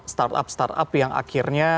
startup startup yang akhirnya